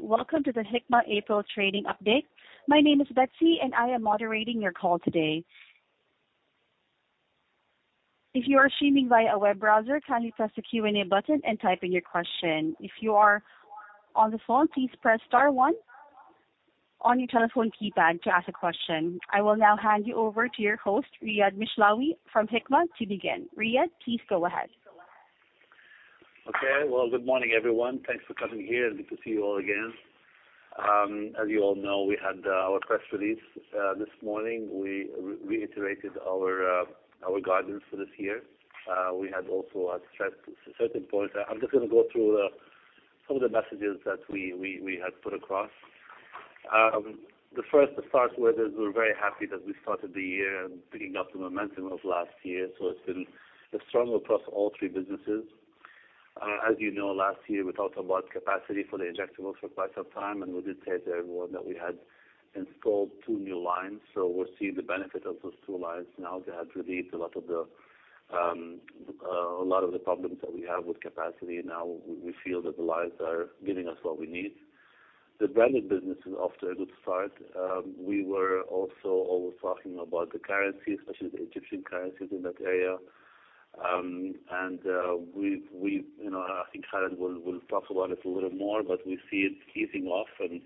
Welcome to the Hikma April trading update. My name is Betsy, and I am moderating your call today. If you are streaming via a web browser, kindly press the Q&A button and type in your question. If you are on the phone, please press star 1 on your telephone keypad to ask a question. I will now hand you over to your host, Riad Mishlawi, from Hikma to begin. Riad, please go ahead. Okay, well, good morning, everyone. Thanks for coming here. Good to see you all again. As you all know, we had our press release this morning. We reiterated our guidance for this year. We had also stressed certain points. I'm just gonna go through some of the messages that we had put across. The first to start with is we're very happy that we started the year and picking up the momentum of last year, so it's been a strong approach to all three businesses. As you know, last year we talked about capacity for the Injectables for quite some time, and we did tell everyone that we had installed two new lines. So we're seeing the benefit of those two lines now. They had relieved a lot of the problems that we have with capacity. Now we feel that the lines are giving us what we need. The Branded business is off to a good start. We were also always talking about the currency, especially the Egyptian currency in that area. And we've you know, I think Khalid will talk about it a little more, but we see it easing off and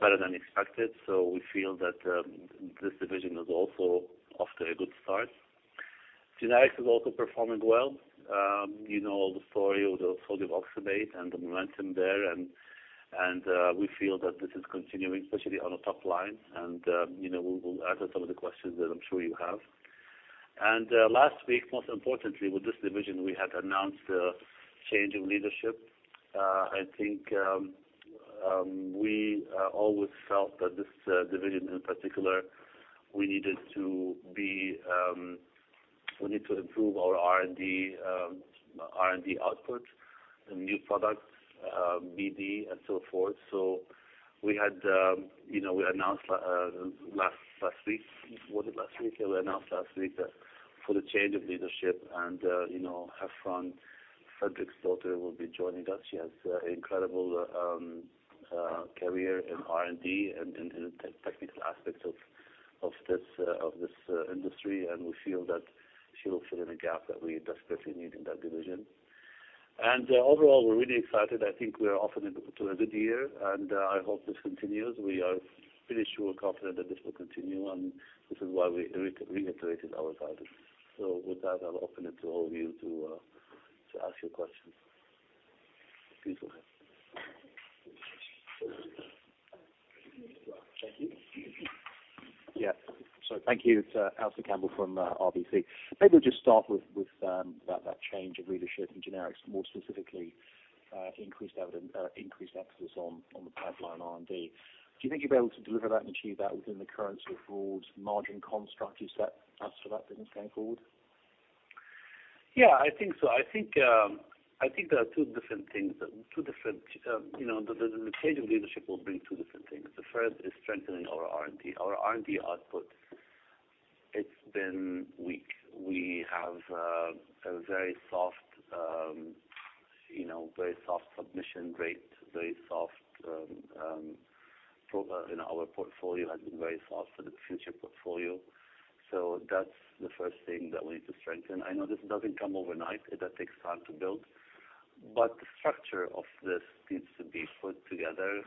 better than expected. So we feel that this division is also off to a good start. Generics is also performing well. You know all the story with the sodium oxybate and the momentum there, and we feel that this is continuing, especially on a top line. And you know we will answer some of the questions that I'm sure you have. And last week, most importantly, with this division, we had announced a change of leadership. I think we always felt that this division in particular we needed to be, we need to improve our R&D, R&D output and new products, BD, and so forth. So we had, you know, we announced last, last week was it last week? Yeah, we announced last week that for the change of leadership and, you know, Hafrun Fridriksdottir will be joining us. She has an incredible career in R&D and in the technical aspects of this industry. And we feel that she will fill in a gap that we desperately need in that division. And overall, we're really excited. I think we are offering to a good year, and I hope this continues. We are pretty sure and confident that this will continue, and this is why we reiterated our guidance. With that, I'll open it to all of you to ask your questions. Please go ahead. Thank you. Yeah. So, thank you to Alistair Campbell from RBC. Maybe we'll just start with about that change of leadership in Generics, more specifically, increased emphasis on the pipeline R&D. Do you think you'll be able to deliver that and achieve that within the currency of broad margin construct you've set as for that business going forward? Yeah, I think so. I think there are two different things, you know, the change of leadership will bring two different things. The first is strengthening our R&D. Our R&D output, it's been weak. We have a very soft, you know, very soft submission rate, very soft, for you know, our portfolio has been very soft for the future portfolio. So that's the first thing that we need to strengthen. I know this doesn't come overnight. That takes time to build. But the structure of this needs to be put together,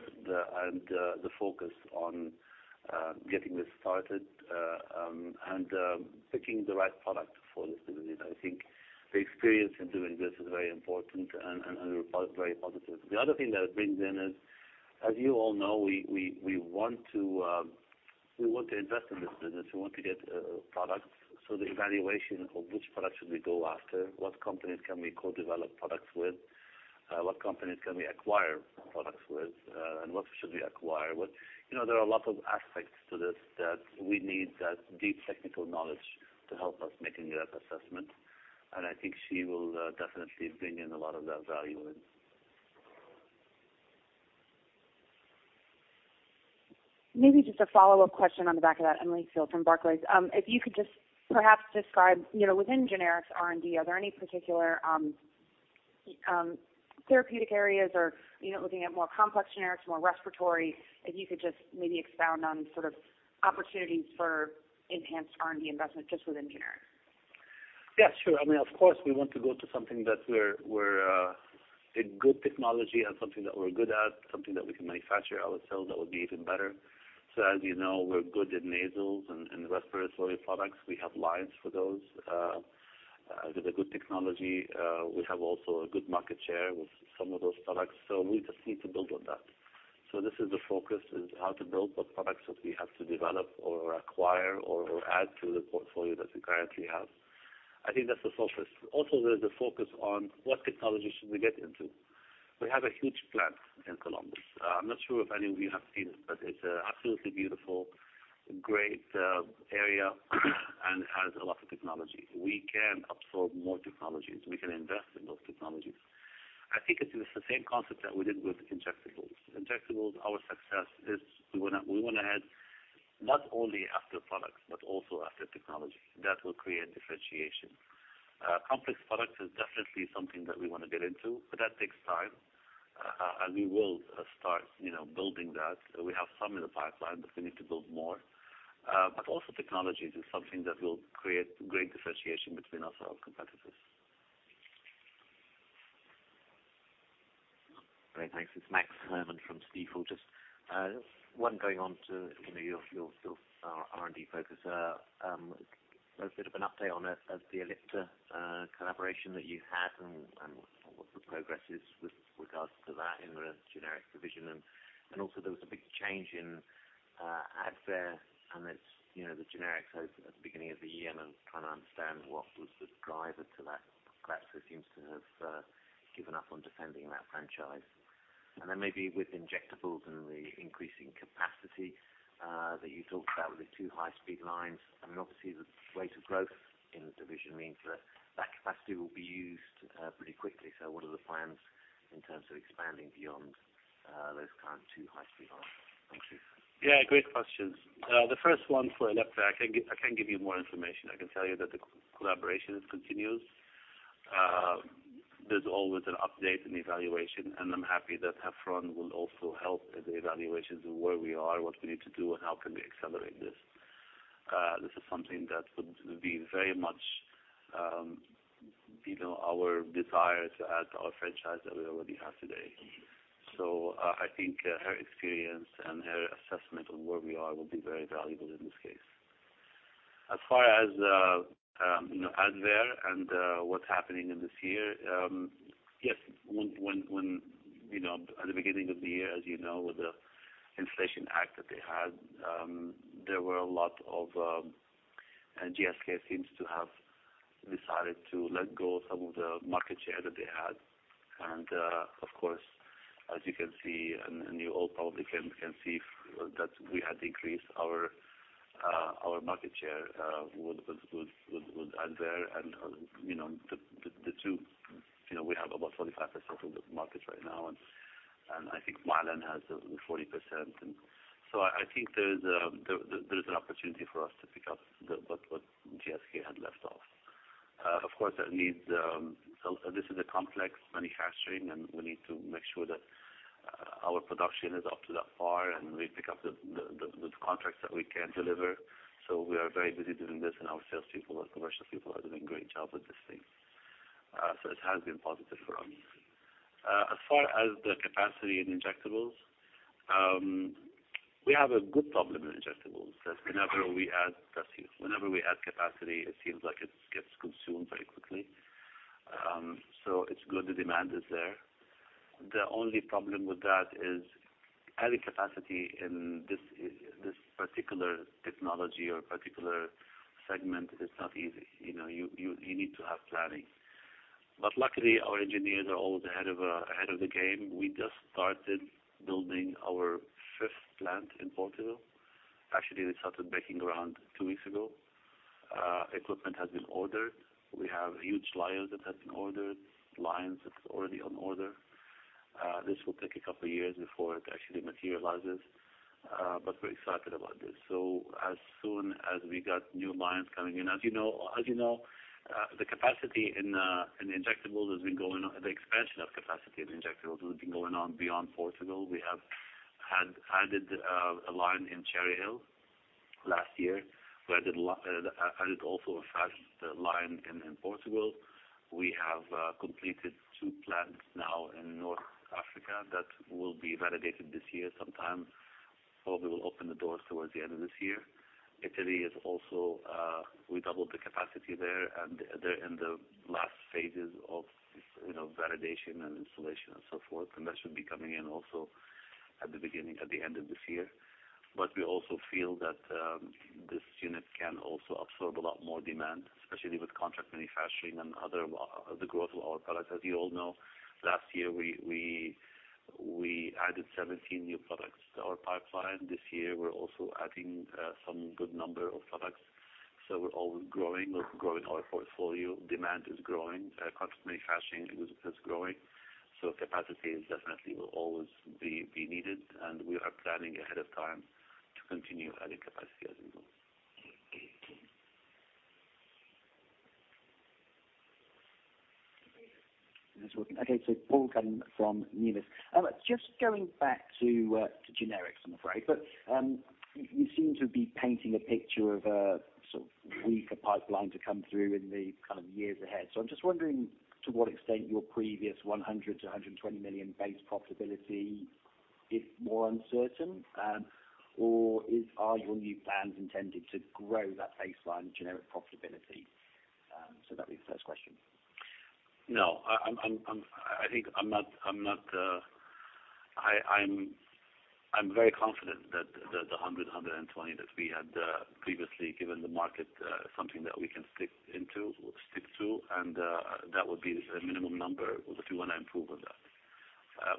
and the focus on getting this started, and picking the right product for this division. I think the experience in doing this is very important and very positive. The other thing that it brings in is, as you all know, we want to invest in this business. We want to get products. So the evaluation of which products should we go after, what companies can we co-develop products with, what companies can we acquire products with, and what should we acquire. You know, there are a lot of aspects to this that we need that deep technical knowledge to help us making that assessment. I think she will definitely bring in a lot of that value in. Maybe just a follow-up question on the back of that, Emily Field, from Barclays. If you could just perhaps describe, you know, within Generics R&D, are there any particular therapeutic areas or, you know, looking at more complex Generics, more respiratory, if you could just maybe expound on sort of opportunities for enhanced R&D investment just within Generics? Yeah, sure. I mean, of course, we want to go to something that we're a good technology and something that we're good at, something that we can manufacture ourselves that would be even better. So, as you know, we're good in nasals and respiratory products. We have lines for those, with a good technology. We have also a good market share with some of those products. So we just need to build on that. So this is the focus, is how to build the products that we have to develop or acquire or add to the portfolio that we currently have. I think that's the focus. Also, there's a focus on what technology should we get into. We have a huge plant in Columbus. I'm not sure if any of you have seen it, but it's an absolutely beautiful great area and has a lot of technology. We can absorb more technologies. We can invest in those technologies. I think it's the same concept that we did with Injectables. Injectables, our success is we wanna we wanna head not only after products but also after technology. That will create differentiation. Complex products is definitely something that we wanna get into, but that takes time. We will start, you know, building that. We have some in the pipeline, but we need to build more. But also technologies is something that will create great differentiation between us and our competitors. Great. Thanks. It's Max Herrmann from Stifel. Just one, going on to, you know, your R&D focus. A bit of an update on the Ellipta collaboration that you had and what the progress is with regards to that in the Generics division. And also, there was a big change in Advair, and it's, you know, the Generics hopes at the beginning of the year and are trying to understand what was the driver to that. Glaxo seems to have given up on defending that franchise. And then maybe with Injectables and the increasing capacity that you talked about with the two high-speed lines. I mean, obviously, the rate of growth in the division means that that capacity will be used pretty quickly. So what are the plans in terms of expanding beyond those current two high-speed lines? Thank you. Yeah, great questions. The first one for Ellipta, I can give you more information. I can tell you that the collaboration is continuous. There's always an update and evaluation, and I'm happy that Hafrun will also help in the evaluations of where we are, what we need to do, and how can we accelerate this. This is something that would be very much, you know, our desire to add to our franchise that we already have today. So, I think, her experience and her assessment of where we are will be very valuable in this case. As far as, you know, Advair and what's happening this year, yes, when you know, at the beginning of the year, as you know, with the Inflation Reduction Act that they had, there were a lot of, GSK seems to have decided to let go of some of the market share that they had. And, of course, as you can see, and you all probably can see that we had to increase our market share with Advair. And, you know, the two you know, we have about 45% of the market right now, and I think Mylan has the 40%. And so I think there's an opportunity for us to pick up what GSK had left off. Of course, that needs this is a complex manufacturing, and we need to make sure that our production is up to par and we pick up the contracts that we can deliver. So we are very busy doing this, and our salespeople and commercial people are doing a great job with this thing. So it has been positive for us. As far as the capacity in Injectables, we have a good problem in Injectables. That's whenever we add that's here. Whenever we add capacity, it seems like it gets consumed very quickly. So it's good. The demand is there. The only problem with that is adding capacity in this particular technology or particular segment is not easy. You know, you need to have planning. But luckily, our engineers are always ahead of the game. We just started building our fifth plant in Portugal. Actually, we started breaking ground around two weeks ago. Equipment has been ordered. We have huge orders that have been ordered, lines that are already on order. This will take a couple of years before it actually materializes. But we're excited about this. So as soon as we got new lines coming in as you know, as you know, the expansion of capacity in Injectables has been going on beyond Portugal. We have added a line in Cherry Hill last year. We added also a fast line in Portugal. We have completed two plants now in North Africa that will be validated this year sometime. Probably will open the doors towards the end of this year. Italy is also, we doubled the capacity there, and they're in the last phases of, you know, validation and installation and so forth. And that should be coming in also at the beginning at the end of this year. But we also feel that, this unit can also absorb a lot more demand, especially with contract manufacturing and other with the growth of our products. As you all know, last year, we added 17 new products to our pipeline. This year, we're also adding some good number of products. So we're always growing our portfolio. Demand is growing. Contract manufacturing is growing. So capacity is definitely will always be needed. And we are planning ahead of time to continue adding capacity as we go. Okay. So Paul Cuddon from Numis, just going back to Generics, I'm afraid, but you seem to be painting a picture of a sort of weaker pipeline to come through in the kind of years ahead. So I'm just wondering to what extent your previous $100 million-$120 million base profitability is more uncertain, or is your new plans intended to grow that baseline generic profitability? So that'd be the first question. No, I'm very confident that the 100-120 that we had previously given the market is something that we can stick to. And that would be the minimum number if we wanna improve on that.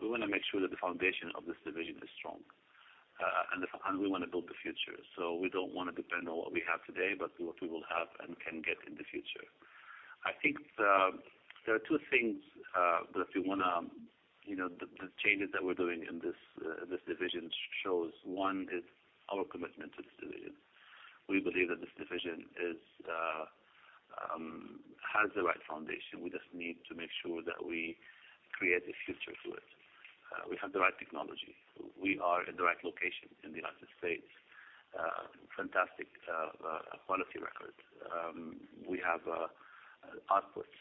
We wanna make sure that the foundation of this division is strong, and we wanna build the future. So we don't wanna depend on what we have today but what we will have and can get in the future. I think there are two things that we wanna, you know, the changes that we're doing in this division shows. One is our commitment to this division. We believe that this division has the right foundation. We just need to make sure that we create a future for it. We have the right technology. We are in the right location in the United States. Fantastic quality record. We have outputs,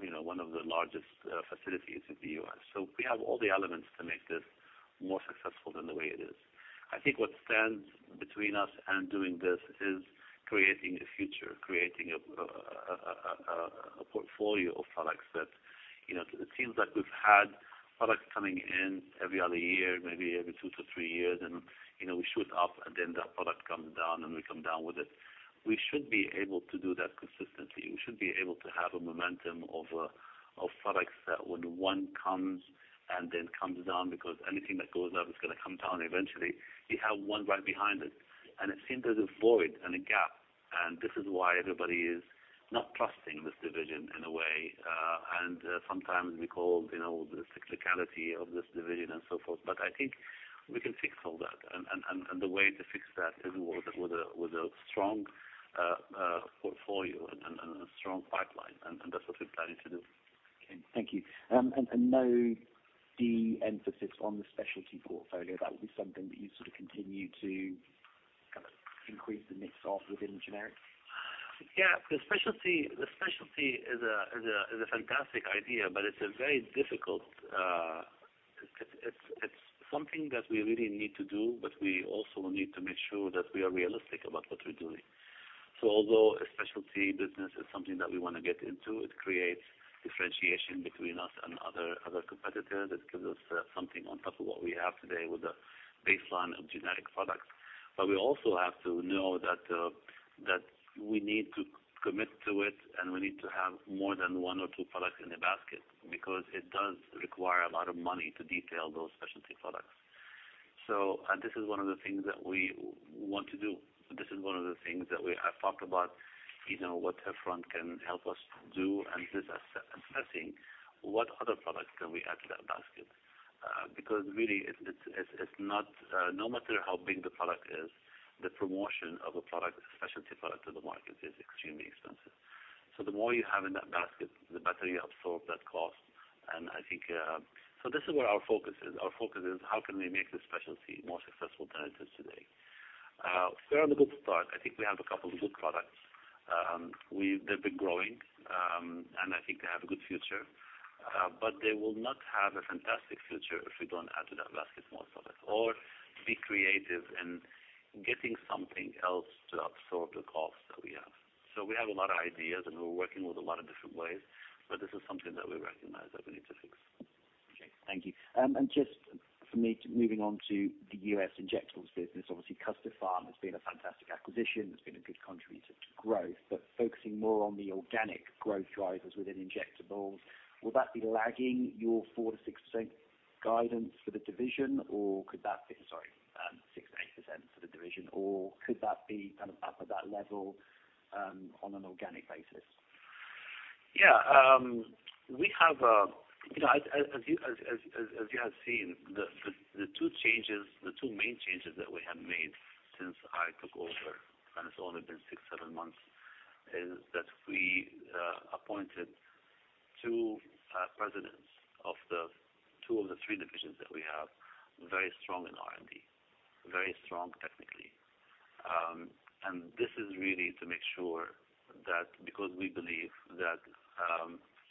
you know, one of the largest facilities in the U.S. So we have all the elements to make this more successful than the way it is. I think what stands between us and doing this is creating a future, creating a portfolio of products that, you know, it seems like we've had products coming in every other year, maybe every 2-3 years, and, you know, we shoot up, and then that product comes down, and we come down with it. We should be able to do that consistently. We should be able to have a momentum of products that when one comes and then comes down because anything that goes up is gonna come down eventually, you have one right behind it. It seems there's a void and a gap. And this is why everybody is not trusting this division in a way, and sometimes we call, you know, the cyclicality of this division and so forth. But I think we can fix all that. And the way to fix that is with a strong portfolio and a strong pipeline. And that's what we're planning to do. Okay. Thank you, and no de-emphasis on the specialty portfolio. That would be something that you sort of continue to kind of increase the mix of within Generics? Yeah. The specialty is a fantastic idea, but it's a very difficult, it's something that we really need to do, but we also need to make sure that we are realistic about what we're doing. So although a specialty business is something that we wanna get into, it creates differentiation between us and other competitors. It gives us something on top of what we have today with a baseline of generic products. But we also have to know that we need to commit to it, and we need to have more than one or two products in the basket because it does require a lot of money to detail those specialty products. So, this is one of the things that we want to do. This is one of the things that we've talked about, you know, what Hafrun can help us do and this assessing what other products can we add to that basket. Because really, it's not, no matter how big the product is, the promotion of a product, a specialty product to the market is extremely expensive. So the more you have in that basket, the better you absorb that cost. And I think, so this is where our focus is. Our focus is how can we make this specialty more successful than it is today. We're on a good start. I think we have a couple of good products. We've. They've been growing, and I think they have a good future. But they will not have a fantastic future if we don't add to that basket most of it or be creative in getting something else to absorb the cost that we have. So we have a lot of ideas, and we're working with a lot of different ways, but this is something that we recognize that we need to fix. Okay. Thank you. And just for me moving on to the U.S. Injectables business, obviously, Custopharm has been a fantastic acquisition. It's been a good contributor to growth. But focusing more on the organic growth drivers within Injectables, will that be lagging your 4%-6% guidance for the division, or could that be sorry, 6%-8% for the division, or could that be kind of up at that level, on an organic basis? Yeah. We have, you know, as you have seen, the two main changes that we have made since I took over and it's only been 6-7 months is that we appointed two presidents of two of the three divisions that we have very strong in R&D, very strong technically. And this is really to make sure that because we believe that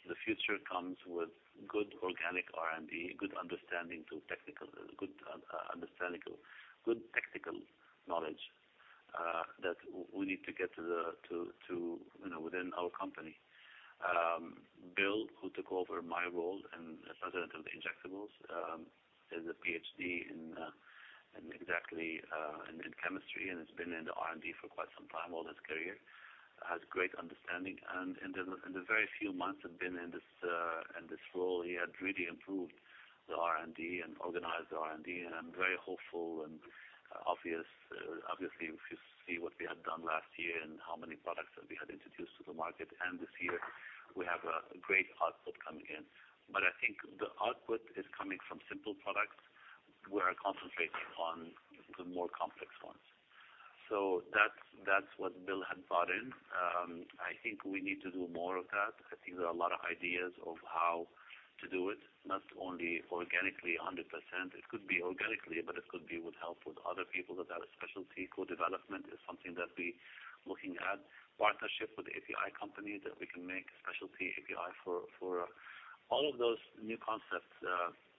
the future comes with good organic R&D, good understanding to technical good understanding to good technical knowledge that we need to get to, you know, within our company. Bill, who took over my role and president of the Injectables, is a PhD in chemistry, and he's been in the R&D for quite some time, all his career. Has great understanding. And in the very few months he'd been in this role, he had really improved the R&D and organized the R&D. And I'm very hopeful and, obviously, if you see what we had done last year and how many products that we had introduced to the market, and this year, we have a great output coming in. But I think the output is coming from simple products. We're concentrating on the more complex ones. So that's what Bill had brought in. I think we need to do more of that. I think there are a lot of ideas of how to do it, not only organically 100%. It could be organically, but it could be with help with other people that have a specialty. Co-development is something that we're looking at, partnership with API companies that we can make a specialty API for all of those new concepts,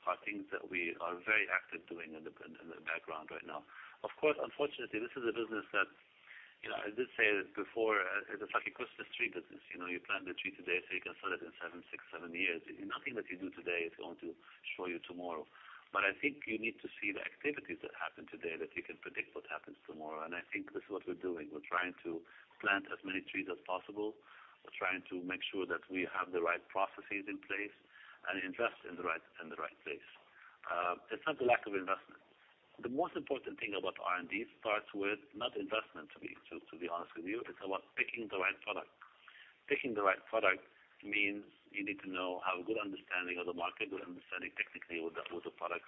are things that we are very active doing in the background right now. Of course, unfortunately, this is a business that you know, I did say before, it's like a Christmas tree business. You know, you plant the tree today, so you can sell it in 6-7 years. Nothing that you do today is going to show you tomorrow. But I think you need to see the activities that happen today that you can predict what happens tomorrow. And I think this is what we're doing. We're trying to plant as many trees as possible. We're trying to make sure that we have the right processes in place and invest in the right place. It's not the lack of investment. The most important thing about R&D starts with not investment, to be honest with you. It's about picking the right product. Picking the right product means you need to know, have a good understanding of the market, good understanding technically with the products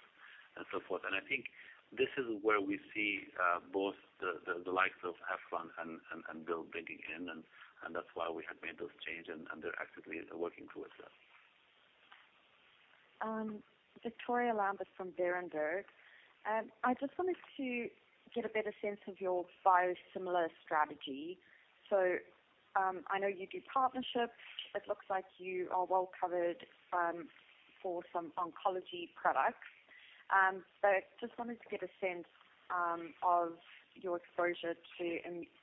and so forth. And I think this is where we see both the likes of Hafrun and Bill bringing in. And that's why we have made those changes, and they're actively working towards that. Victoria Lambert from Berenberg. I just wanted to get a better sense of your biosimilar strategy. So, I know you do partnerships. It looks like you are well covered for some oncology products. But just wanted to get a sense of your exposure to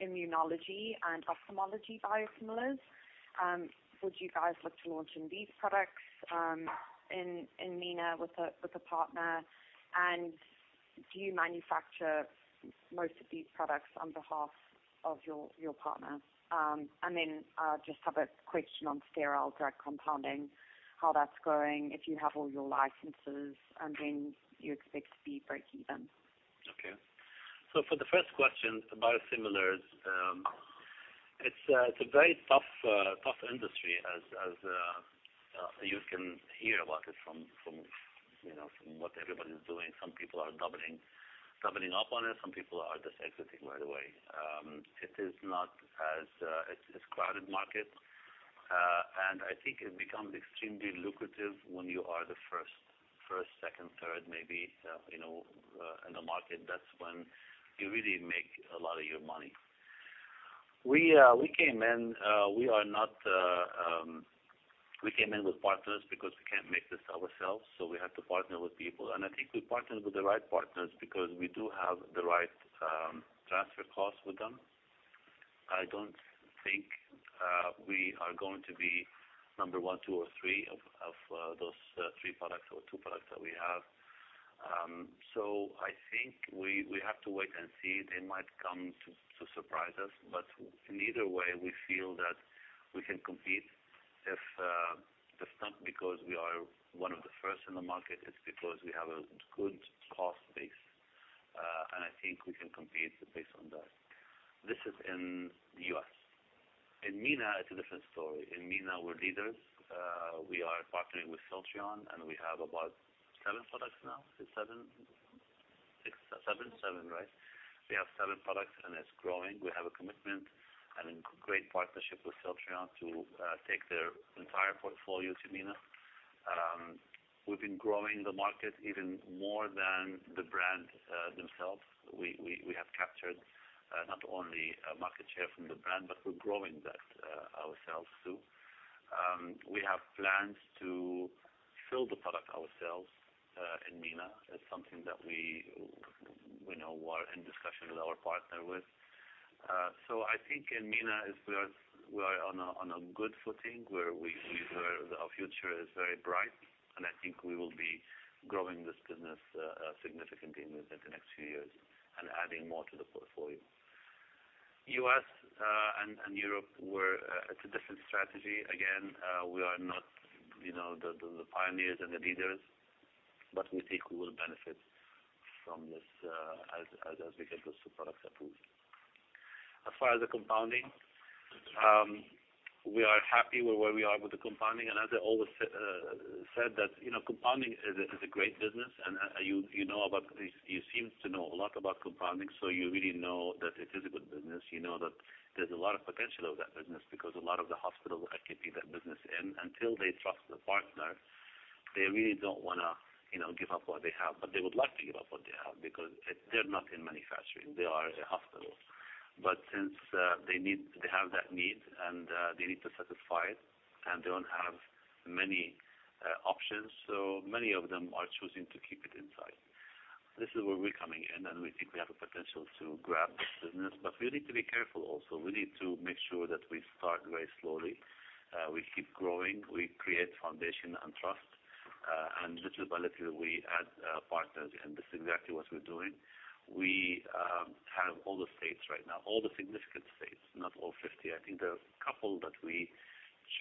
immunology and ophthalmology biosimilars. Would you guys look to launching these products in MENA with a partner? And do you manufacture most of these products on behalf of your partner? And then just have a question on sterile drug compounding, how that's going, if you have all your licenses, and then you expect to be break-even. Okay. So for the first question, biosimilars, it's, it's a very tough, tough industry as, as, you can hear about it from, from, you know, from what everybody's doing. Some people are doubling, doubling up on it. Some people are just exiting, by the way. It is not as, it's, it's a crowded market. And I think it becomes extremely lucrative when you are the first, first, second, third, maybe, you know, in the market. That's when you really make a lot of your money. We, we came in we are not, we came in with partners because we can't make this ourselves. So we had to partner with people. And I think we partnered with the right partners because we do have the right, transfer costs with them. I don't think we are going to be number one, two, or three of those three products or two products that we have. So I think we have to wait and see. They might come to surprise us. But in either way, we feel that we can compete. If not because we are one of the first in the market, it's because we have a good cost base. I think we can compete based on that. This is in the US. In MENA, it's a different story. In MENA, we're leaders. We are partnering with Celltrion, and we have about seven products now. Is it seven? Six, seven, seven, right? We have seven products, and it's growing. We have a commitment and a great partnership with Celltrion to take their entire portfolio to MENA. We've been growing the market even more than the brands themselves. We have captured, not only market share from the brand, but we're growing that ourselves too. We have plans to sell the product ourselves in MENA. It's something that we know we're in discussion with our partner with. So I think in MENA, we are on a good footing where we where our future is very bright. And I think we will be growing this business significantly in the next few years and adding more to the portfolio. US and Europe, we're—it's a different strategy. Again, we are not, you know, the pioneers and the leaders, but we think we will benefit from this as we get those two products approved. As far as the compounding, we are happy with where we are with the compounding. As I always said that, you know, compounding is a great business. You know about you—you seem to know a lot about compounding, so you really know that it is a good business. You know that there's a lot of potential of that business because a lot of the hospitals that can be that business in, until they trust the partner, they really don't wanna, you know, give up what they have. But they would like to give up what they have because they're not in manufacturing. They are a hospital. But since they need they have that need, and they need to satisfy it, and they don't have many options, so many of them are choosing to keep it inside. This is where we're coming in, and we think we have the potential to grab this business. But we need to be careful also. We need to make sure that we start very slowly. We keep growing. We create foundation and trust. And little by little, we add partners in. This is exactly what we're doing. We have all the states right now, all the significant states, not all 50. I think there are a couple that we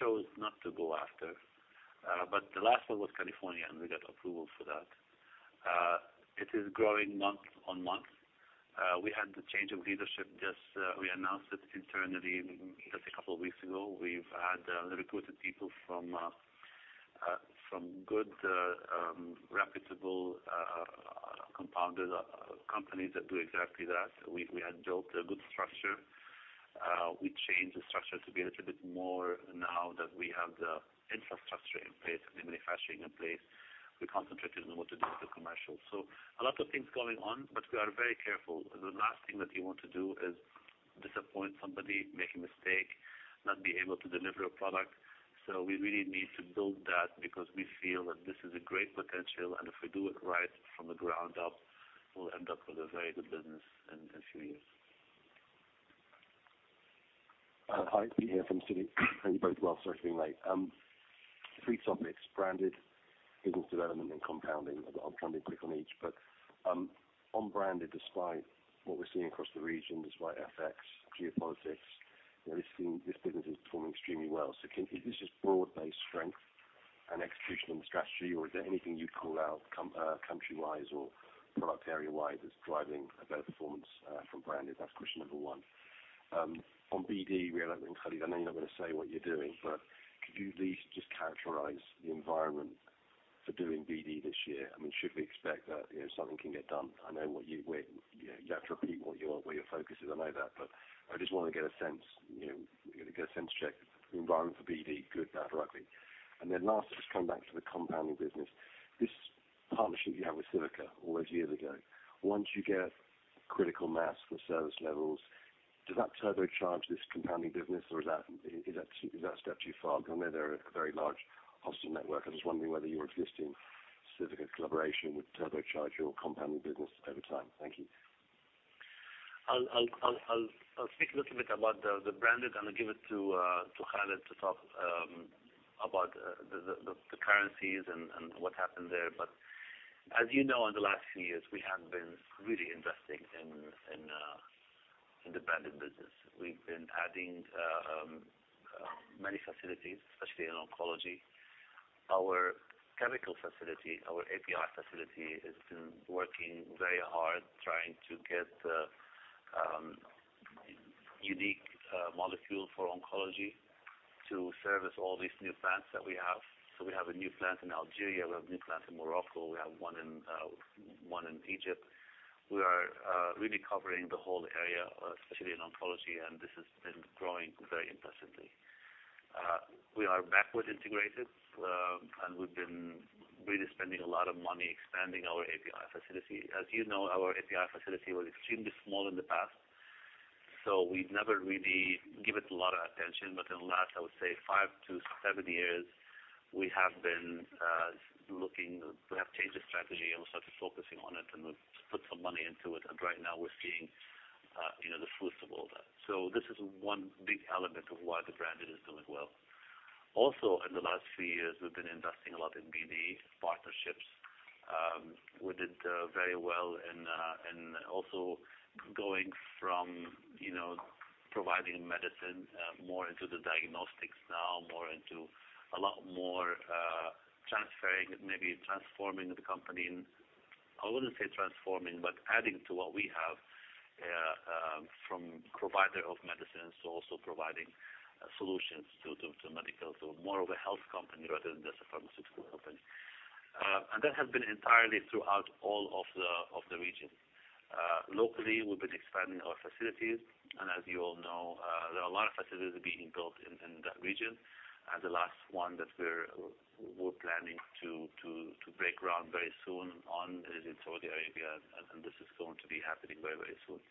chose not to go after. But the last one was California, and we got approval for that. It is growing month-on-month. We had the change of leadership just. We announced it internally just a couple of weeks ago. We've recruited people from good, reputable compounders, companies that do exactly that. We had built a good structure. We changed the structure to be a little bit more now that we have the infrastructure in place and the manufacturing in place. We concentrated on what to do with the commercial. So a lot of things going on, but we are very careful. The last thing that you want to do is disappoint somebody, make a mistake, not be able to deliver a product. So we really need to build that because we feel that this is a great potential. And if we do it right from the ground up, we'll end up with a very good business in a few years. Hi. I'm Peter from Citi. Hope you both are well. Sorry for being late. Three topics: Branded, business development, and compounding. I'll try and be quick on each. But on Branded, despite what we're seeing across the region, despite FX, geopolitics, you know, this thing this business is performing extremely well. So can is this just broad-based strength and execution and strategy, or is there anything you'd call out country-wise or product area-wise that's driving a better performance from Branded? That's question number one. On BD, Riad Mishlawi, I know you're not gonna say what you're doing, but could you at least just characterize the environment for doing BD this year? I mean, should we expect that, you know, something can get done? I know what you're, you know, you have to repeat what you are where your focus is. I know that. But I just wanted to get a sense, you know, get a sense check [on] the environment for BD, good, bad, or ugly. And then last, just coming back to the compounding business, this partnership you have with Civica all those years ago, once you get critical mass for service levels, does that turbocharge this compounding business, or is that step too far? Because I know they're a very large hospital network. I'm just wondering whether your existing Civica collaboration would turbocharge your compounding business over time. Thank you. I'll speak a little bit about the Branded. I'm gonna give it to Khalid to talk about the currencies and what happened there. But as you know, in the last few years, we have been really investing in the Branded business. We've been adding many facilities, especially in oncology. Our chemical facility, our API facility, has been working very hard trying to get the unique molecule for oncology to service all these new plants that we have. So we have a new plant in Algeria. We have a new plant in Morocco. We have one in Egypt. We are really covering the whole area, especially in oncology. And this has been growing very impressively. We are backward integrated, and we've been really spending a lot of money expanding our API facility. As you know, our API facility was extremely small in the past. So we never really give it a lot of attention. But in the last, I would say, 5-7 years, we have been looking, we have changed the strategy, and we started focusing on it. And we've put some money into it. And right now, we're seeing, you know, the fruits of all that. So this is one big element of why the Branded is doing well. Also, in the last few years, we've been investing a lot in BD partnerships. We did very well in also going from, you know, providing medicine more into the diagnostics now, more into a lot more, transferring maybe transforming the company. I wouldn't say transforming, but adding to what we have, from provider of medicines to also providing solutions to medical to more of a health company rather than just a pharmaceutical company. That has been entirely throughout all of the region. Locally, we've been expanding our facilities. As you all know, there are a lot of facilities being built in that region. The last one that we're planning to break ground very soon on is in Saudi Arabia. This is going to be happening very, very soon.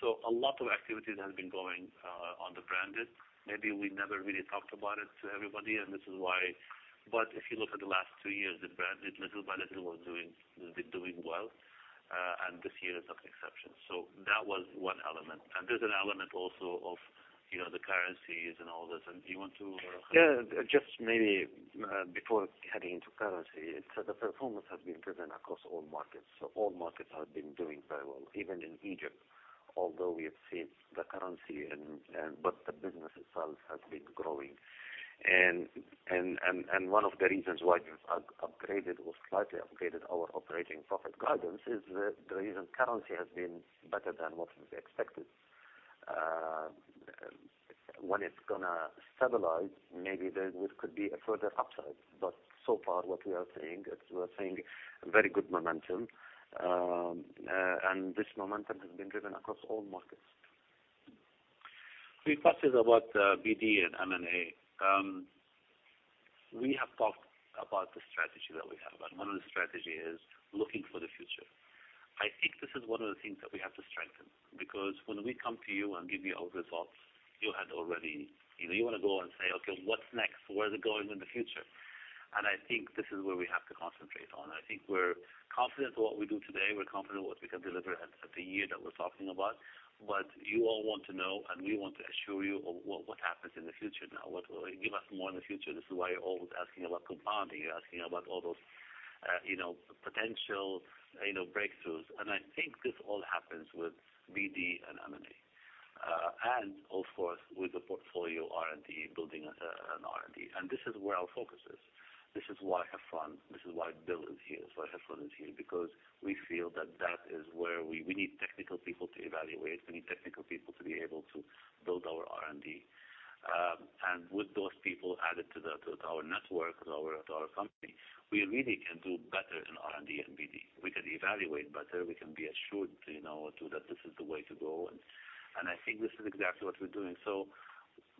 So a lot of activities have been going on the Branded. Maybe we never really talked about it to everybody. This is why, but if you look at the last two years, the Branded little by little was doing has been doing well. And this year is not an exception. So that was one element. And there's an element also of, you know, the currencies and all this. And do you want to, Khalid? Yeah. Just maybe, before heading into currency, it's the performance has been driven across all markets. So all markets have been doing very well, even in Egypt, although we have seen the currency and one of the reasons why we've upgraded or slightly upgraded our operating profit guidance is the reason currency has been better than what was expected. When it's gonna stabilize, maybe there could be a further upside. But so far, what we are seeing, we're seeing very good momentum. And this momentum has been driven across all markets. few questions about BD and M&A. We have talked about the strategy that we have. One of the strategies is looking for the future. I think this is one of the things that we have to strengthen because when we come to you and give you our results, you have already, you know, you want to go and say, "Okay. What's next? Where's it going in the future?" And I think this is where we have to concentrate on. I think we're confident in what we do today. We're confident in what we can deliver at the year that we're talking about. But you all want to know, and we want to assure you of what happens in the future, what will give us more in the future. This is why you're always asking about compounding. You're asking about all those, you know, potential, you know, breakthroughs. I think this all happens with BD and M&A, and, of course, with the portfolio R&D, building an R&D. This is where our focus is. This is why Hafrun, this is why Bill, is here. That's why Hafrun is here because we feel that that is where we need technical people to evaluate. We need technical people to be able to build our R&D. And with those people added to our network, to our company, we really can do better in R&D and BD. We can evaluate better. We can be assured, you know, that this is the way to go. And I think this is exactly what we're doing. So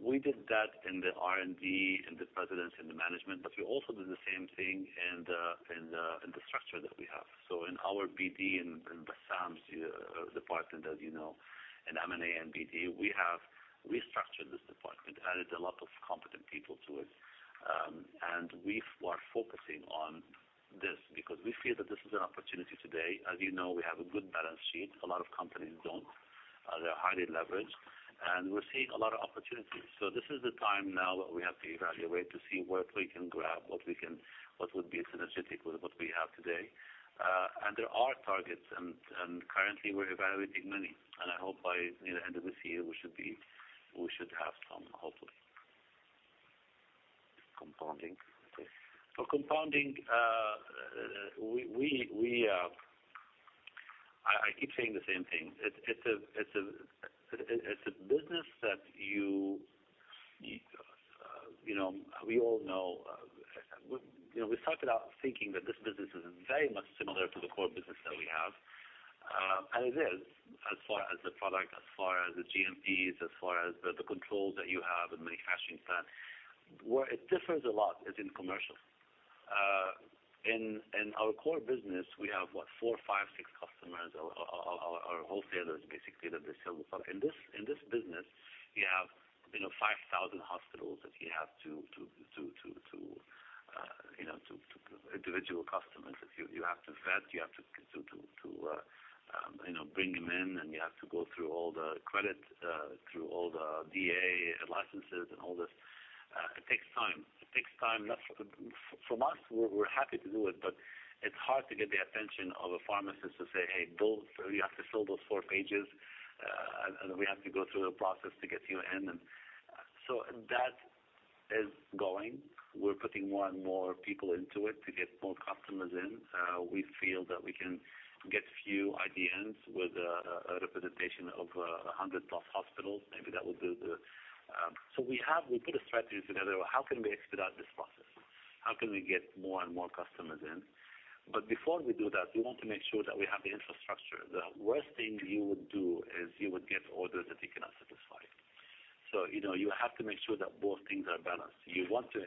we did that in the R&D, in the presidents, in the management. But we also did the same thing in the structure that we have. So in our BD and M&A's department, as you know, in M&A and BD, we have restructured this department, added a lot of competent people to it. And we are focusing on this because we feel that this is an opportunity today. As you know, we have a good balance sheet. A lot of companies don't. They're highly leveraged. And we're seeing a lot of opportunities. So this is the time now that we have to evaluate to see what we can grab, what would be synergetic with what we have today. And there are targets. And currently, we're evaluating many. And I hope by, you know, end of this year, we should have some, hopefully. Compounding? Okay. Well, compounding, I keep saying the same thing. It's a business that you know, we all know. You know, we started out thinking that this business is very much similar to the core business that we have. And it is as far as the product, as far as the GMPs, as far as the controls that you have in manufacturing plant. Where it differs a lot is in commercial. In our core business, we have, what, 4, 5, 6 customers or wholesalers, basically, that they sell the product. In this business, you have, you know, 5,000 hospitals that you have to, you know, to individual customers that you have to vet. You have to, you know, bring them in. And you have to go through all the credit, through all the DEA licenses and all this. It takes time. It takes time. Not from us, we're happy to do it. But it's hard to get the attention of a pharmacist to say, "Hey, Bill, you have to fill those 4 pages, and we have to go through the process to get you in." And so that is going. We're putting more and more people into it to get more customers in. We feel that we can get a few IDNs with a representation of 100+ hospitals. Maybe that would do the. So we have put a strategy together of how can we expedite this process? How can we get more and more customers in? But before we do that, we want to make sure that we have the infrastructure. The worst thing you would do is you would get orders that you cannot satisfy. So, you know, you have to make sure that both things are balanced. You want to,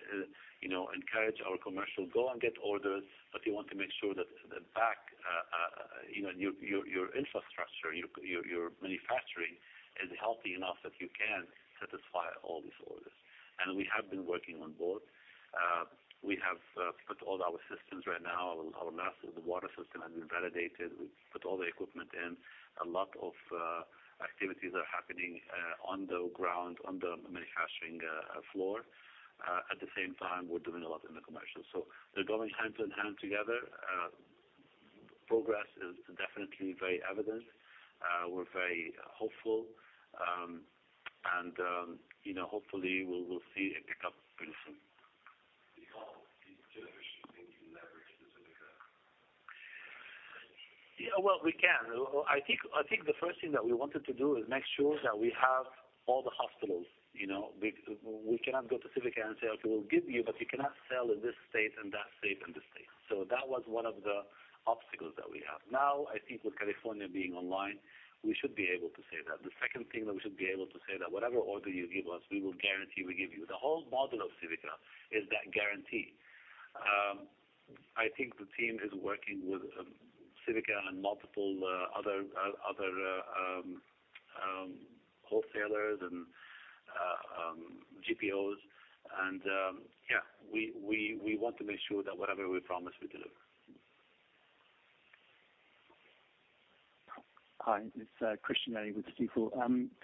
you know, encourage our commercial, "Go and get orders." But you want to make sure that the back, you know, your infrastructure, your manufacturing is healthy enough that you can satisfy all these orders. And we have been working on both. We have put all our systems right now. Our latest water system has been validated. We put all the equipment in. A lot of activities are happening on the ground, on the manufacturing floor. At the same time, we're doing a lot in the commercial. So they're going hand in hand together. Progress is definitely very evident. We're very hopeful. And, you know, hopefully, we'll see a pickup pretty soon. Do you call it it's beneficial to think you leverage the Civica strategy? Yeah. Well, we can. I think the first thing that we wanted to do is make sure that we have all the hospitals, you know. We cannot go to Civica and say, "Okay. We'll give you, but you cannot sell in this state and that state and this state." So that was one of the obstacles that we have. Now, I think with California being online, we should be able to say that. The second thing that we should be able to say that whatever order you give us, we will guarantee we give you. The whole model of Civica is that guarantee. I think the team is working with Civica and multiple other wholesalers and GPOs. And yeah. We want to make sure that whatever we promise, we deliver. Hi. It's Christian Sheridan with Stifel.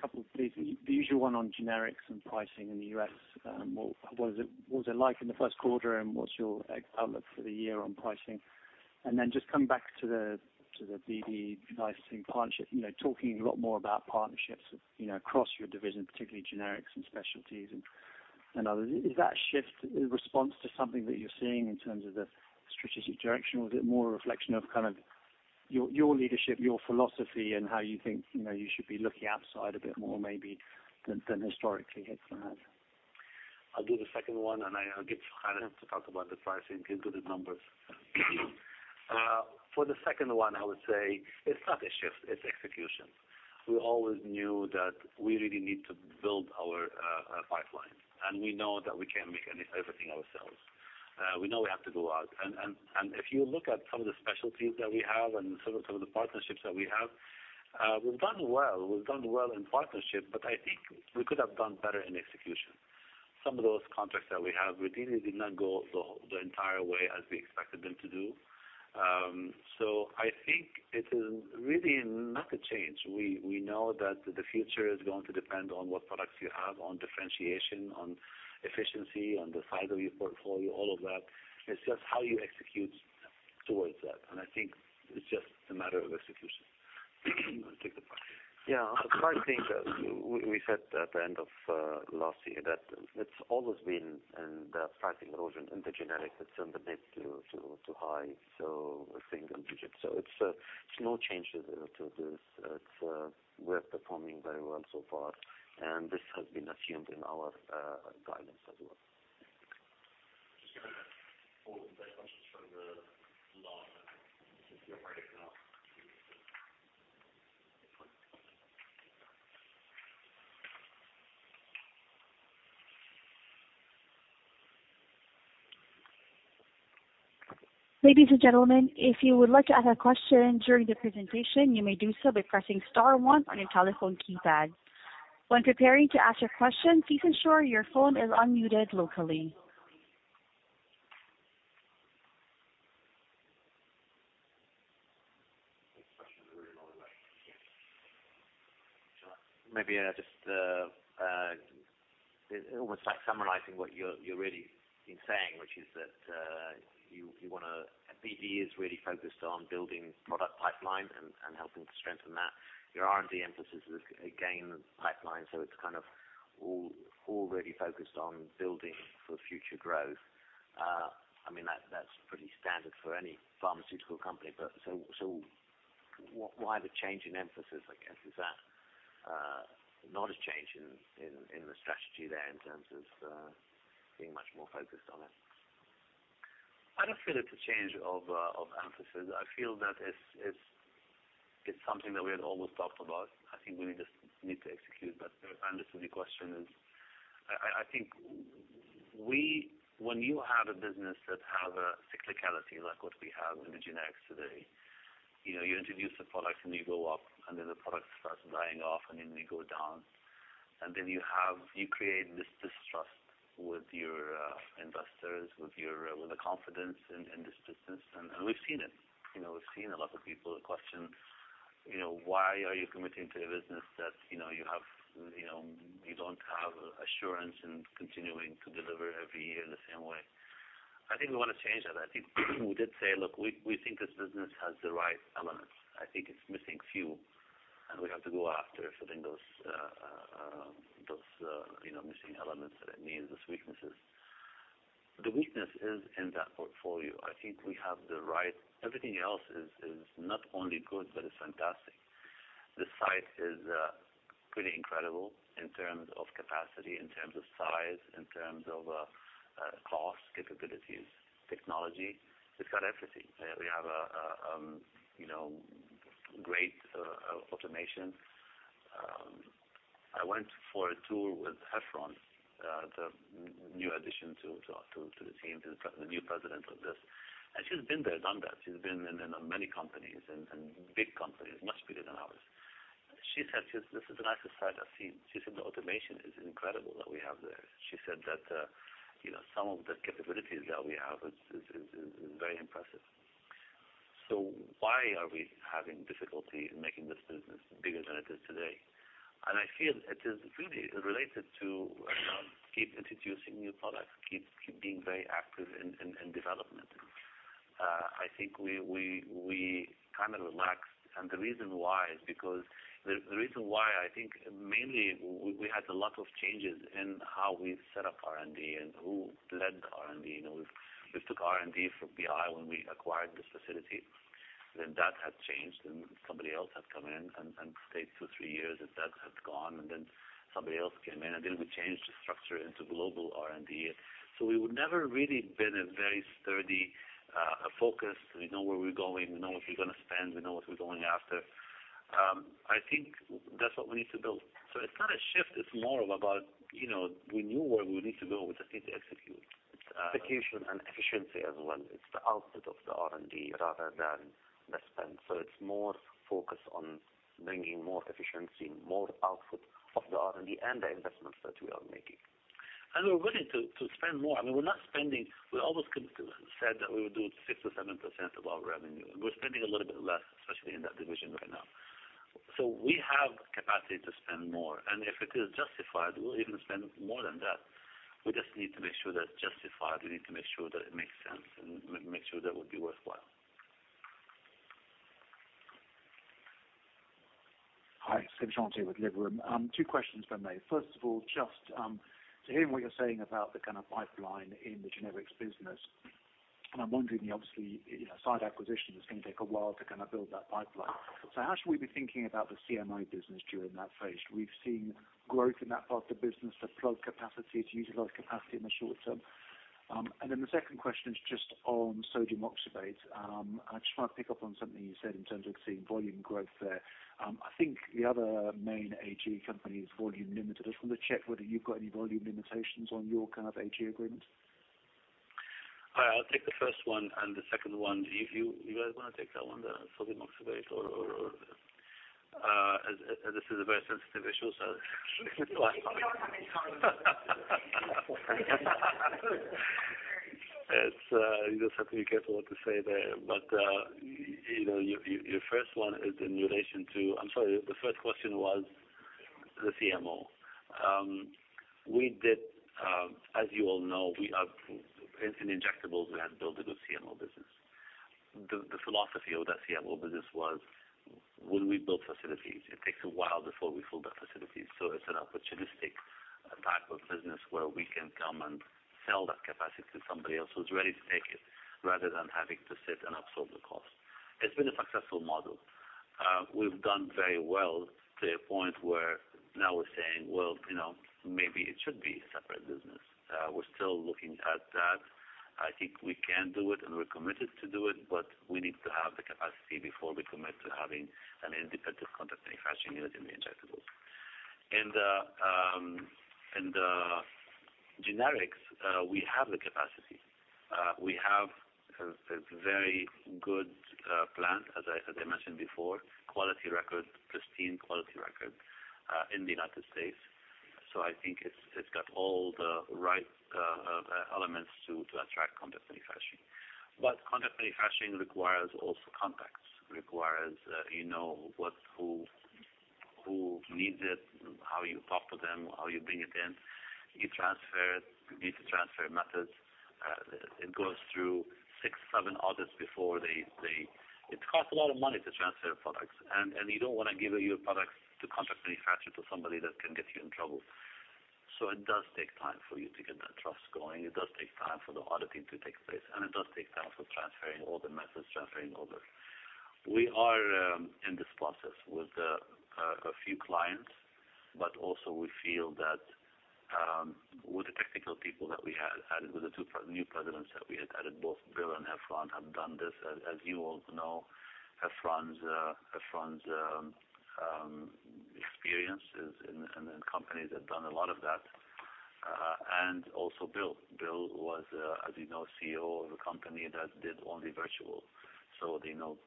Couple of things. The usual one on generics and pricing in the U.S. What was it like in the Q1? And what's your outlook for the year on pricing? And then just coming back to the BD licensing partnership, you know, talking a lot more about partnerships, you know, across your division, particularly generics and specialties and others. Is that shift a response to something that you're seeing in terms of the strategic direction, or is it more a reflection of kind of your leadership, your philosophy, and how you think, you know, you should be looking outside a bit more maybe than historically Hafrun has? I'll do the second one. I'll give Khalid to talk about the pricing and get good at numbers. For the second one, I would say it's not a shift. It's execution. We always knew that we really need to build our pipeline. And we know that we can't make everything ourselves. We know we have to go out. And if you look at some of the specialties that we have and some of the partnerships that we have, we've done well. We've done well in partnership. But I think we could have done better in execution. Some of those contracts that we have, we really did not go the whole entire way as we expected them to do. So I think it is really not a change. We know that the future is going to depend on what products you have, on differentiation, on efficiency, on the size of your portfolio, all of that. It's just how you execute towards that. I think it's just a matter of execution. Let's take the pricing. Yeah. The pricing, we said at the end of last year that it's always been in the pricing erosion in the generics. It's in the mid to high. So a single digit. So it's no changes to this. We're performing very well so far. And this has been assumed in our guidance as well. Just gonna pull some questions from the line that the operator can ask. Ladies and gentlemen, if you would like to ask a question during the presentation, you may do so by pressing star one on your telephone keypad. When preparing to ask your question, please ensure your phone is unmuted locally. Maybe, just, it's almost like summarizing what you're really saying, which is that you wanna BD is really focused on building product pipeline and helping to strengthen that. Your R&D emphasis is again pipeline. So it's kind of all really focused on building for future growth. I mean, that's pretty standard for any pharmaceutical company. But so why the change in emphasis, I guess, is that not a change in the strategy there in terms of being much more focused on it? I don't feel it's a change of emphasis. I feel that it's something that we had always talked about. I think we just need to execute. But to understand the question, I think when you have a business that have a cyclicality like what we have in the generics today, you know, you introduce the product, and you go up. And then the product starts dying off. And then you go down. And then you create this trust with your investors, with your confidence in this business. And we've seen it. You know, we've seen a lot of people question, you know, "Why are you committing to a business that, you know, you don't have assurance in continuing to deliver every year the same way?" I think we wanna change that. I think we did say, "Look, we think this business has the right elements. I think it's missing few. And we have to go after filling those, you know, missing elements that it needs, the weaknesses." The weakness is in that portfolio. I think we have the right everything else is not only good, but it's fantastic. The site is pretty incredible in terms of capacity, in terms of size, in terms of cost, capabilities, technology. It's got everything. We have a, you know, great automation. I went for a tour with Hafrun, the new addition to the team, the new president of this. And she's been there, done that. She's been in many companies and big companies, much bigger than ours. She said this is the nicest site I've seen. She said the automation is incredible that we have there. She said that, you know, some of the capabilities that we have is very impressive. So why are we having difficulty in making this business bigger than it is today? And I feel it is really related to, you know, keep introducing new products, keep being very active in development. I think we kinda relaxed. And the reason why is because the reason why I think mainly, we had a lot of changes in how we set up R&D and who led the R&D. You know, we've took R&D from BI when we acquired this facility. Then that had changed. Then somebody else had come in and stayed 2, 3 years. And that had gone. And then somebody else came in. Then we changed the structure into global R&D. So we would never really have been a very structured, focused. We know where we're going. We know what we're gonna spend. We know what we're going after. I think that's what we need to build. So it's not a shift. It's more about, you know, we knew where we need to go. We just need to execute. Execution and efficiency as well. It's the output of the R&D rather than the spend. So it's more focus on bringing more efficiency, more output of the R&D and the investments that we are making. We're willing to spend more. I mean, we're not spending. We always said that we would do 6%-7% of our revenue. And we're spending a little bit less, especially in that division right now. So we have capacity to spend more. And if it is justified, we'll even spend more than that. We just need to make sure that justified, we need to make sure that it makes sense and make sure that would be worthwhile. Hi. Seb Jantet here with Liberum. Two questions, if I may. First of all, just, to hear what you're saying about the kind of pipeline in the generics business. And I'm wondering, obviously, you know, Xellia acquisition is gonna take a while to kinda build that pipeline. So how should we be thinking about the CMO business during that phase? We've seen growth in that part of the business to plug capacity, to utilize capacity in the short term. And then the second question is just on sodium oxybate. I just wanna pick up on something you said in terms of seeing volume growth there. I think the other main AG company is Volume Limited. I just wanna check whether you've got any volume limitations on your kind of AG agreement. I'll take the first one. And the second one, do you guys want to take that one, the sodium oxybate or, as this is a very sensitive issue, so I'll just take the last part. It's you just have to be careful what to say there. But, you know, your first one is in relation to. I'm sorry. The first question was the CMO. We did, as you all know, we are in Injectables, we had built a good CMO business. The philosophy of that CMO business was, "When we build facilities, it takes a while before we fill that facilities. So it's an opportunistic type of business where we can come and sell that capacity to somebody else who's ready to take it rather than having to sit and absorb the cost." It's been a successful model. We've done very well to a point where now we're saying, "Well, you know, maybe it should be a separate business." We're still looking at that. I think we can do it. And we're committed to do it. But we need to have the capacity before we commit to having an independent contract manufacturing unit in the Injectables. In the generics, we have the capacity. We have a very good plant, as I mentioned before, quality record, pristine quality record, in the United States. So I think it's got all the right elements to attract contract manufacturing. But contract manufacturing requires also contacts, requires, you know, who needs it, how you talk to them, how you bring it in. You transfer it. You need to transfer methods. It goes through six, seven audits before they, it costs a lot of money to transfer products. And you don't wanna give your products to contract manufacturer, to somebody that can get you in trouble. So it does take time for you to get that trust going. It does take time for the auditing to take place. And it does take time for transferring all the methods, transferring all this. We are in this process with a few clients. But also, we feel that with the technical people that we had added with the two new presidents that we had added, both Bill and Hafrun have done this. As you all know, Hafrun's experience is in companies that done a lot of that, and also Bill. Bill was, as you know, CEO of a company that did only virtual. So they know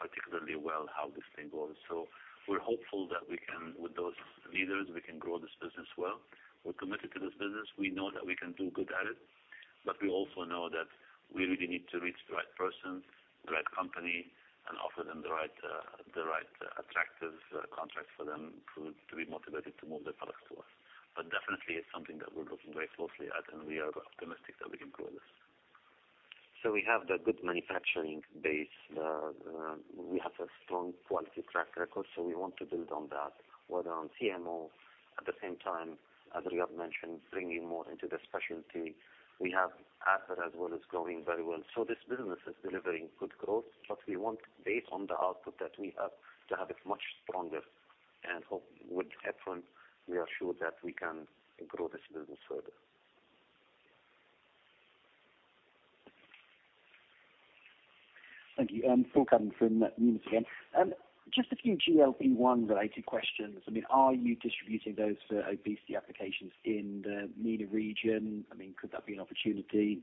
particularly well how this thing goes. So we're hopeful that we can with those leaders, we can grow this business well. We're committed to this business. We know that we can do good at it. But we also know that we really need to reach the right person, the right company, and offer them the right, the right, attractive, contract for them to, to be motivated to move their products to us. But definitely, it's something that we're looking very closely at. And we are optimistic that we can grow this. So we have the good manufacturing base. We have a strong quality track record. So we want to build on that, whether on CMO. At the same time, as Riad mentioned, bringing more into the specialty. We have Advair as well as growing very well. So this business is delivering good growth. But we want, based on the output that we have, to have it much stronger. And hope with Hafrun, we are sure that we can grow this business further. Thank you. Paul Cuddon from Numis again. Just a few GLP-1 related questions. I mean, are you distributing those for obesity applications in the MENA region? I mean, could that be an opportunity?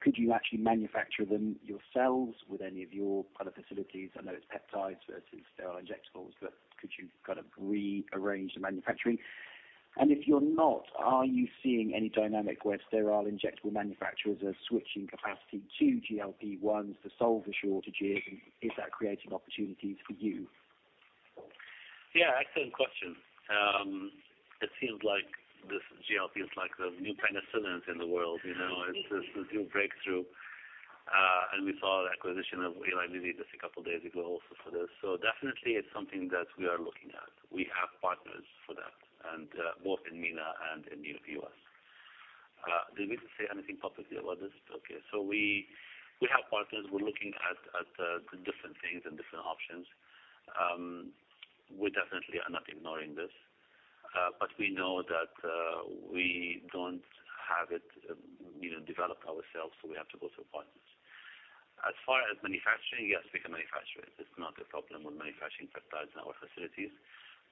Could you actually manufacture them yourselves with any of your kind of facilities? I know it's peptides versus sterile Injectables. But could you kind of rearrange the manufacturing? And if you're not, are you seeing any dynamic where sterile injectable manufacturers are switching capacity to GLP-1s to solve the shortages? And is that creating opportunities for you? Yeah. Excellent question. It seems like this GLP is like the new penicillins in the world, you know? It's a new breakthrough. And we saw the acquisition of Eli Lilly just a couple days ago also for this. So definitely, it's something that we are looking at. We have partners for that, and both in MENA and in the US. Did we say anything publicly about this? Okay. So we have partners. We're looking at the different things and different options. We definitely are not ignoring this. But we know that we don't have it, you know, developed ourselves. So we have to go through partners. As far as manufacturing, yes, we can manufacture it. It's not a problem with manufacturing peptides in our facilities.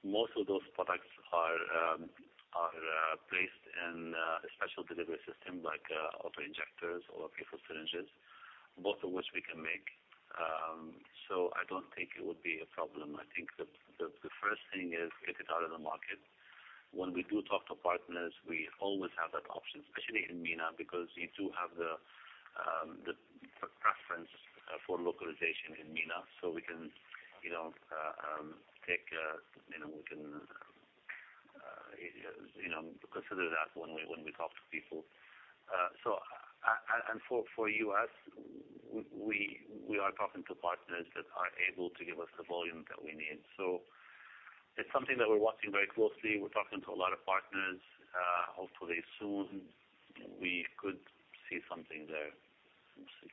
Most of those products are placed in a special delivery system like auto injectors or pre-filled syringes, both of which we can make. So I don't think it would be a problem. I think the first thing is get it out in the market. When we do talk to partners, we always have that option, especially in MENA, because you do have the preference for localization in MENA. So we can, you know, take, you know, we can, you know, consider that when we talk to people. So and for US, we are talking to partners that are able to give us the volume that we need. So it's something that we're watching very closely. We're talking to a lot of partners. Hopefully, soon, we could see something there. Let's see.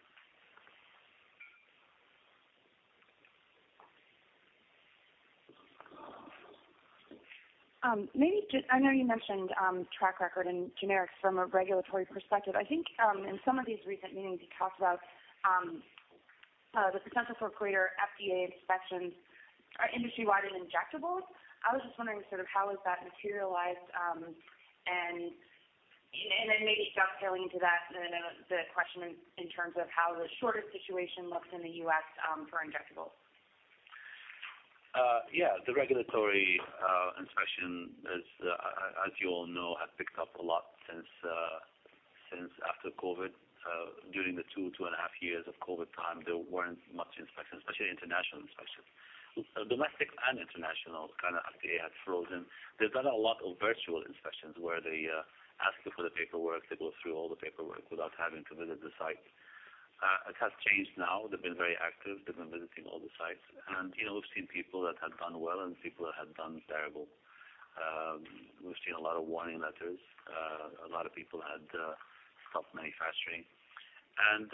Maybe just, I know you mentioned track record in generics from a regulatory perspective. I think in some of these recent meetings you talked about the potential for greater FDA inspections or industry-wide in Injectables. I was just wondering sort of how is that materialized, and then maybe dovetailing into that, and then the question in terms of how the shortage situation looks in the U.S. for Injectables. Yeah. The regulatory inspections, as you all know, has picked up a lot since after COVID. During the two and a half years of COVID time, there weren't much inspections, especially international inspections. Domestic and international kind of FDA had frozen. They've done a lot of virtual inspections where they ask you for the paperwork. They go through all the paperwork without having to visit the site. It has changed now. They've been very active. They've been visiting all the sites. And, you know, we've seen people that had done well and people that had done terrible. We've seen a lot of warning letters. A lot of people had stopped manufacturing. And,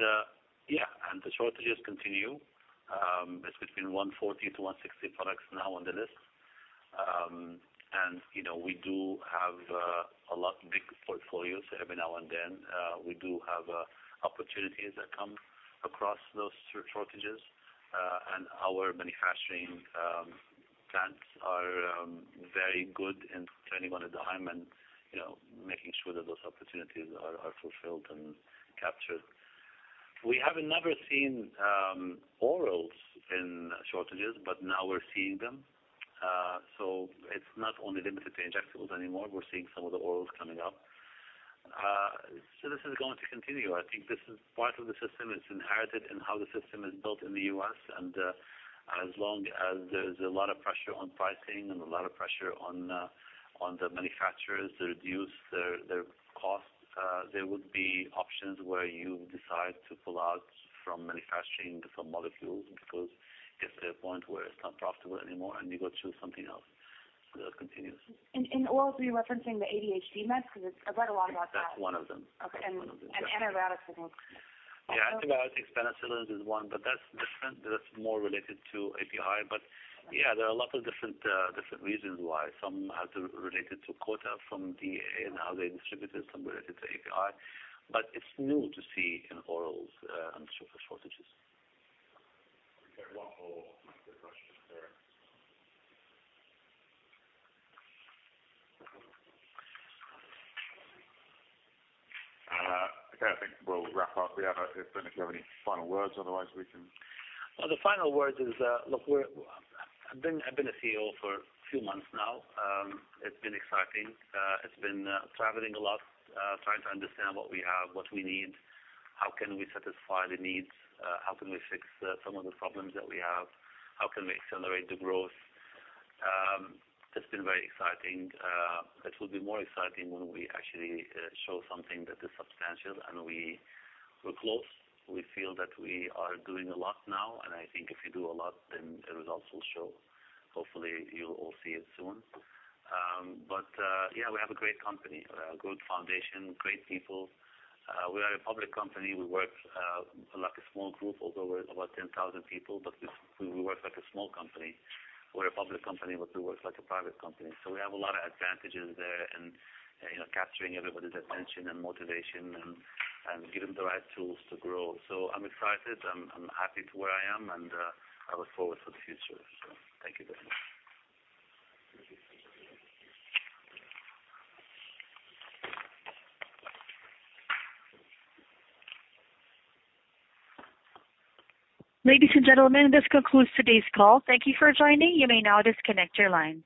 yeah. And the shortages continue. It's between 140-160 products now on the list. And, you know, we do have a lot of big portfolios every now and then. We do have opportunities that come across those shortages. Our manufacturing plants are very good in turning on a dime and, you know, making sure that those opportunities are fulfilled and captured. We haven't never seen orals in shortages. But now we're seeing them. So it's not only limited to Injectables anymore. We're seeing some of the orals coming up. So this is going to continue. I think this is part of the system. It's inherent in how the system is built in the U.S. As long as there is a lot of pressure on pricing and a lot of pressure on the manufacturers to reduce their cost, there would be options where you decide to pull out from manufacturing some molecules because it gets to a point where it's not profitable anymore. And you go choose something else. So that continues. Orals, were you referencing the ADHD meds? 'Cause it's, I've read a lot about that. That's one of them. That's one of them. Yeah. Okay. And antibiotics, I think. Yeah. Antibiotics, penicillins is one. But that's different. That's more related to API. But yeah. There are a lot of different reasons why. Some have to related to quota from DEA and how they distributed some related to API. But it's new to see in orals, and shortages. Okay. One more question, sir. Okay. I think we'll wrap up. Riad, if you have any final words. Otherwise, we can. Well, the final words is, look, I've been a CEO for a few months now. It's been exciting. It's been traveling a lot, trying to understand what we have, what we need, how can we satisfy the needs, how can we fix some of the problems that we have, how can we accelerate the growth. It's been very exciting. It will be more exciting when we actually show something that is substantial. And we're close. We feel that we are doing a lot now. And I think if you do a lot, then the results will show. Hopefully, you'll all see it soon. But, yeah. We have a great company, a good foundation, great people. We are a public company. We work like a small group, although we're about 10,000 people. But we work like a small company. We're a public company. We work like a private company. So we have a lot of advantages there in, you know, capturing everybody's attention and motivation and giving the right tools to grow. I'm excited. I'm happy to where I am. I look forward to the future. Thank you very much. Ladies and gentlemen, this concludes today's call. Thank you for joining. You may now disconnect your line.